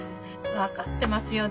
分かってますよ。